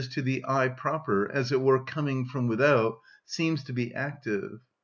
_, to the I proper, as it were coming from without, seems to be active.